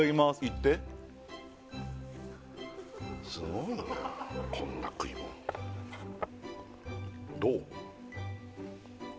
いってすごいなこんな食いもんどう？